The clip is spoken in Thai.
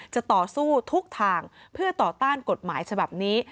จะต่อสู้ทุกทางเพื่อต่อต้านกฎหมายฉบับนี้